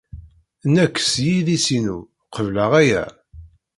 Nekk, seg yidis-inu, qebleɣ aya.